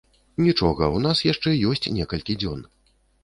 Нічога, у нас яшчэ ёсць некалькі дзён.